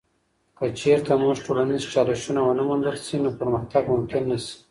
که چیرته موږ ټولنیز چالشونه ونه موندل سي، نو پرمختګ ممکن نه سي.